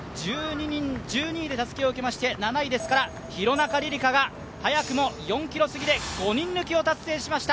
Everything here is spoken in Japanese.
１２位でたすきを受けまして廣中璃梨佳が早くも４ｋｍ過ぎで５人抜きを達成しました。